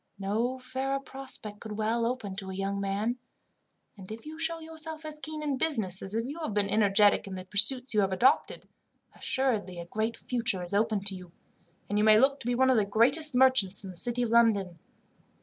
"No fairer prospect could well open to a young man, and if you show yourself as keen in business, as you have been energetic in the pursuits you have adopted, assuredly a great future is open to you, and you may look to be one of the greatest merchants in the city of London.